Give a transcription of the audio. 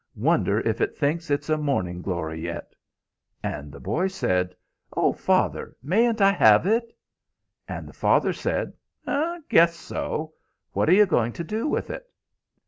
Wonder if it thinks it's a morning glory yet?' "And the boy said, 'Oh, father, mayn't I have it?' "And the father said, 'Guess so. What are you going to do with it?'